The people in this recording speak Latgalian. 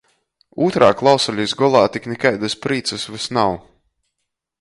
Ūtrā klausulis golā tik nikaidys prīcys vys nav.